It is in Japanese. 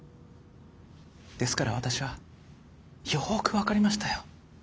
ですから私はよく分かりましたよ。